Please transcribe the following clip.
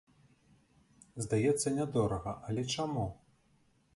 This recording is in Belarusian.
Здаецца нядорага, але чаму?